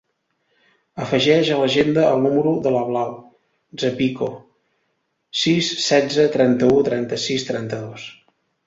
Afegeix a l'agenda el número de la Blau Zapico: sis, setze, trenta-u, trenta-sis, trenta-dos.